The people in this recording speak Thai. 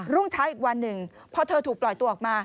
รุ่งเช้าอีกวันหนึ่งพอเธอถูกปล่อยตัวออกมา